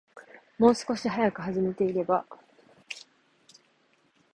もう少し早く始めていれば